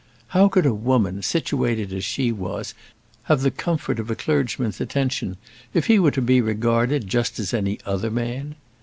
How could a woman, situated as she was, have the comfort of a clergyman's attention if he were to be regarded just as any other man?